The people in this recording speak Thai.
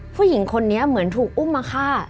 ผู้หญิงคนนี้เหมือนถูกอุ้มมาฆ่า